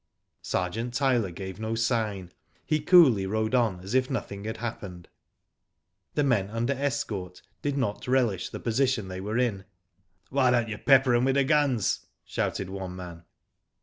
Sergeant Tyler gave no sign. He coolly rode on as if nothing had happened. The men under escort did not relish the posi tion they were in. Why don't you pepper 'em with the guns," shouted one man.